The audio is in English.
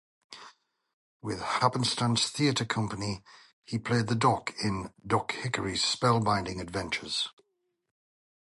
With Happenstance Theatre Company he played the Doc in "Doc Hickory's Spell Binding Adventures".